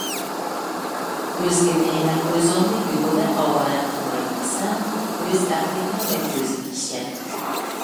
ئۆزگىنى ھەم ئۆزۈڭنى بىھۇدە ئاۋارە قىلماي دېسەڭ، ئۆز ئەقلىڭگە ۋە كۆزۈڭگە ئىشەن.